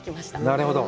なるほど。